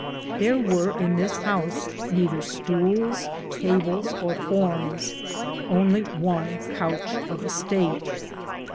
Thare weare in this house nether stouls, tables, or formes, only one coutche of estate.